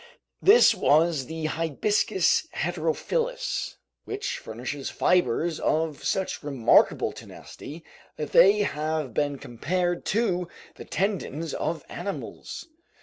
This was the "hibiscus heterophyllus," which furnishes fibers of such remarkable tenacity that they have been compared to the tendons of animals.